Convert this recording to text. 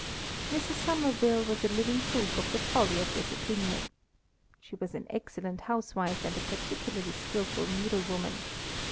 Mrs. Somerville was a living proof of the folly of this opinion. She was an excellent housewife and a particularly skilful needlewoman.